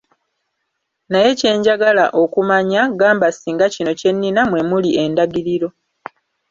Naye kye njagala okumanya, gamba singa kino kye nina mwe muli endagiriro.